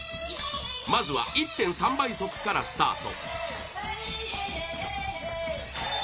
まずは１．３倍速からスタート